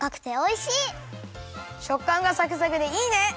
しょっかんがサクサクでいいね！